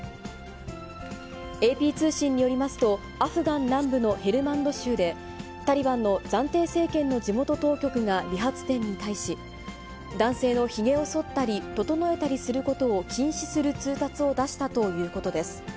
ＡＰ通信によりますと、アフガン南部のヘルマンド州で、タリバンの暫定政権の地元当局が理髪店に対し、男性のひげをそったり、整えたりすることを禁止する通達を出したということです。